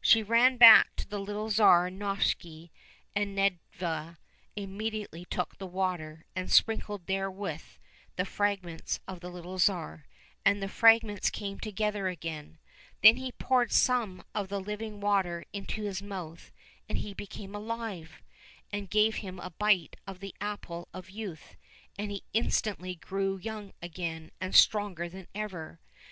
She ran back to the little Tsar Novishny, and Nedviga immediately took the water and sprinkled therewith the fragments of the little Tsar, and the fragments came together again. Then he poured some of the living water into his mouth and he became alive, and gave him a bite of the apple of youth, and he instantly grew young again and stronger than ever.